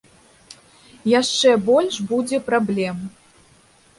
Яшчэ больш будзе праблем.